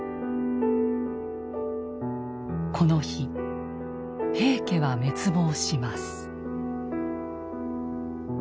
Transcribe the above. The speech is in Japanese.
この日平家は滅亡します。